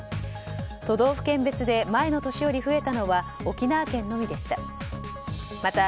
都道府県別で前の年より増えたのは沖縄県のみでした。